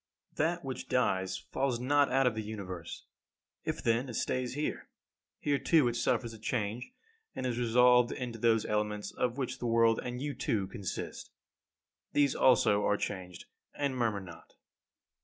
18. That which dies falls not out of the Universe. If then it stays here, here too it suffers a change, and is resolved into those elements of which the world, and you too, consist. These also are changed, and murmur not.